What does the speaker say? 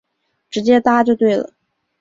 直接搭就对了